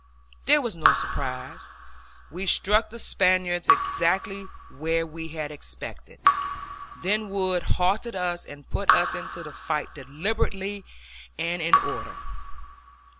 There was no surprise; we struck the Spaniards exactly where we had expected; then Wood halted us and put us into the fight deliberately and in order.